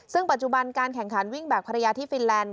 ซึ่งปัจจุบันการแข่งขันวิ่งแบบภรรยาที่ฟินแลนด